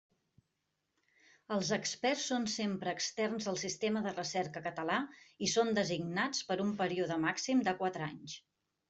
Els experts són sempre externs al sistema de recerca català i són designats per un període màxim de quatre anys.